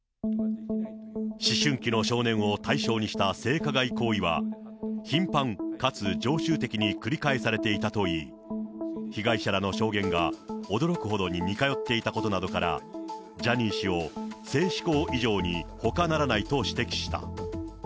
思春期の少年を対象にした性加害行為は、頻繁かつ常習的に繰り返されていたといい、被害者らの証言が驚くほどに似通っていたことなどから、ジャニー氏を性嗜好異常にほかならないと指摘した。